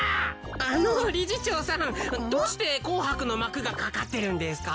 あの理事長さんどうして紅白の幕がかかってるんですか？